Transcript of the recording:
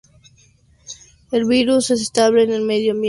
El virus es estable en el medio ambiente.